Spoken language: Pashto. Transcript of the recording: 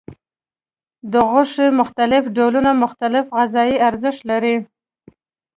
د غوښې مختلف ډولونه مختلف غذایي ارزښت لري.